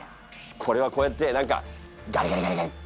これはこうやって何かガリガリガリガリ。